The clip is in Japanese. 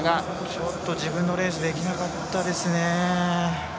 ちょっと自分のレースできなかったですね。